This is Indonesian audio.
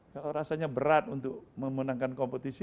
kalau rasanya berat untuk memenangkan kompetisi